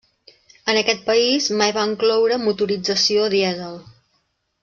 En aquest país, mai va incloure motorització a dièsel.